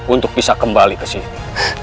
untuk bisa kembali ke sini